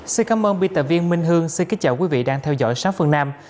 xin cảm ơn biên tập viên minh hương xin kính chào quý vị đang theo dõi sát phương nam